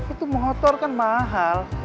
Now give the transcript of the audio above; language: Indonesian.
itu motor kan mahal